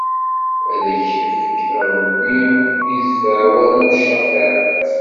Ad k-ifk Ṛebbi i ddfeɛ war amcafaɛ!